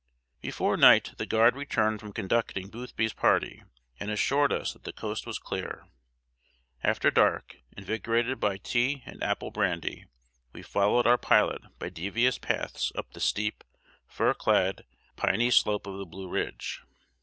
] Before night the guide returned from conducting Boothby's party, and assured us that the coast was clear. After dark, invigorated by tea and apple brandy, we followed our pilot by devious paths up the steep, fir clad, piny slope of the Blue Ridge.